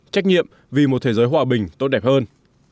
trách nhiệm vì một thế giới hòa bình tốt đẹp hơn